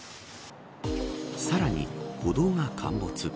さらに、歩道が陥没。